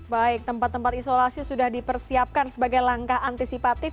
baik tempat tempat isolasi sudah dipersiapkan sebagai langkah antisipatif